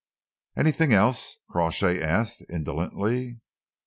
"Anything else?" Crawshay asked indolently.